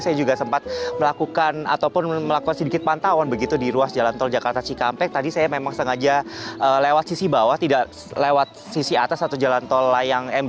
saya juga sempat melakukan ataupun melakukan sedikit pantauan begitu di ruas jalan tol jakarta cikampek tadi saya memang sengaja lewat sisi bawah tidak lewat sisi atas atau jalan tol layang mb